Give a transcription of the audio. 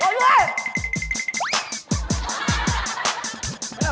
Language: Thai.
เอาหน่อย